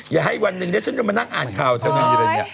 อย่าให้วันหนึ่งนี้ฉันจะมานักอ่านข่าวเท่านั้น